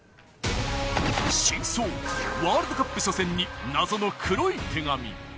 ワールドカップ初戦に謎の黒い手紙。